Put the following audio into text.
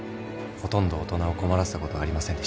ほとんど大人を困らせたことはありませんでした。